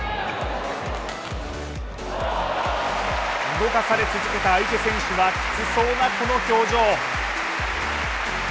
動かされ続けた相手選手はきつそうなこの表情。